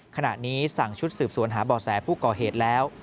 ขณะนี้สั่งชุดสืบสวนหาบ่อแสผู้ก่อเหตุแล้ว